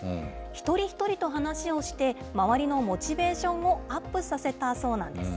一人一人と話をして、周りのモチベーションをアップさせたそうなんです。